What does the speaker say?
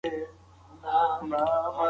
تاوان مې ومنلو چې تجربه ترلاسه کړم.